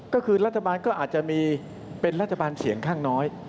ก็คือรัฐบาลก็อาจจะมีเป็นรัฐบาลเสียงข้างน้อย